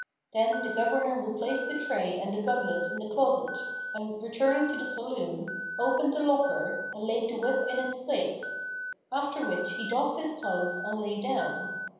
Then the governor replaced the tray and the gugglet in the closet and returning to the saloon, opened the locker and laid the whip in its place; after which he doffed his clothes and lay down.